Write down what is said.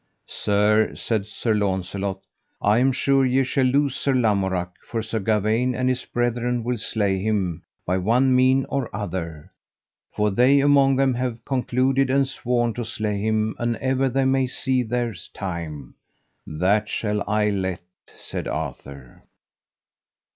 Sir, said Sir Launcelot, I am sure ye shall lose Sir Lamorak, for Sir Gawaine and his brethren will slay him by one mean or other; for they among them have concluded and sworn to slay him an ever they may see their time. That shall I let, said Arthur.